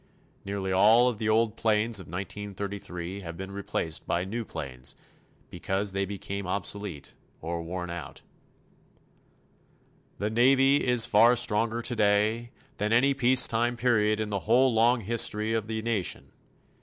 Nearly all of the old planes of 1933 have been replaced by new planes because they became obsolete or worn out. The Navy Is far stronger today than at any peace time period in the whole long history of the nation.